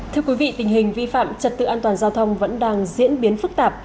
thưa quý vị tình hình vi phạm trật tự an toàn giao thông vẫn đang diễn biến phức tạp